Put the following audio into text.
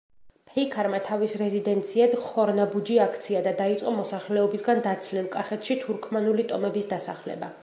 ფეიქარმა თავის რეზიდენციად ხორნაბუჯი აქცია და დაიწყო მოსახლეობისგან დაცლილ კახეთში თურქმანული ტომების დასახლება.